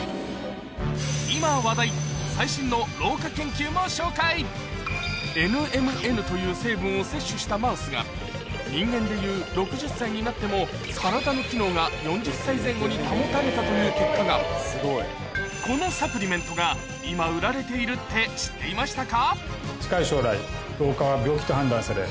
今話題も紹介ＮＭＮという成分を摂取したマウスが人間でいう６０歳になっても体の機能が４０歳前後に保たれたという結果がこのサプリメントが今売られているって知っていましたか？